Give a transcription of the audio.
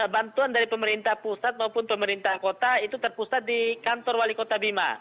bantuan dari pemerintah pusat maupun pemerintah kota itu terpusat di kantor wali kota bima